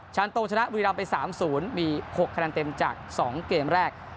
ชั้นตรงชนะบุรีรัมป์ไปสามศูนย์มีหกคะแนนเต็มจากสองเกมแรก